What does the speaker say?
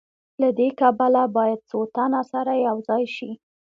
له دې کبله باید څو تنه سره یوځای شي